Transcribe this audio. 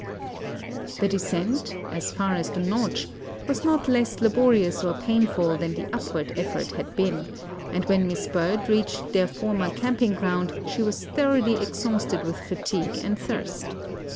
The descent, as far as the "Notch," was not less laborious or painful than the upward effort had been; and when Miss Bird reached their former camping ground she was thoroughly exhausted with fatigue and thirst.